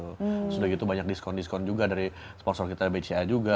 sudah gitu banyak diskon diskon juga dari sponsor kita bca juga